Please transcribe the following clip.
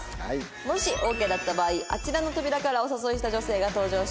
もしオーケーだった場合あちらの扉からお誘いした女性が登場します。